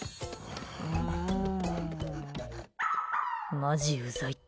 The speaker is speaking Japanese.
マジ、うざいって。